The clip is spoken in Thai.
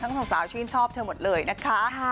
ทั้งสองสาวชื่นชอบเธอหมดเลยนะคะ